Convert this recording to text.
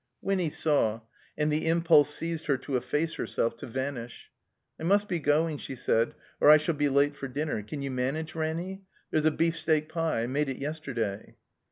Winny saw, and the impulse seized her to efface herself, to vanish. "I must be going," she said, "or I shall be late for dinner. Can you manage, Ranny? There's a beefsteak pie. I made it yesterday."